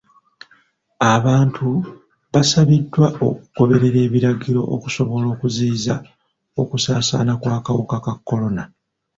Abantu basabiddwa okugoberera ebiragiro okusobola okuziyiza okusaasaana kw'akawuka ka kolona.